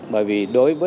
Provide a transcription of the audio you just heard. bởi vì đối với